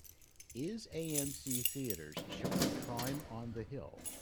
Is AMC Theaters showing Crime on the Hill?